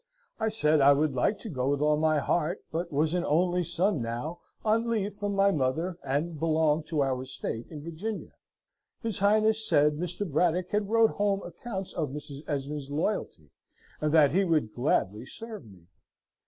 I said, I would like to go with all my heart, but was an only son now, on leave from my mother, and belonged to our estate in Virginia. His Royal Highness said, Mr. Braddock had wrote home accounts of Mrs. Esmond's loyalty, and that he would gladly serve me.